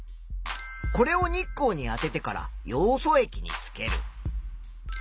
これを日光にあててからヨウ素液につける。